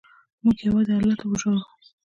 موږ یوازې الله ته وژاړو.